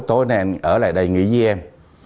tối nay em ở lại đây nghỉ với em